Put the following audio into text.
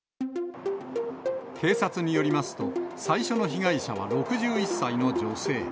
警察によりますと、最初の被害者は６１歳の女性。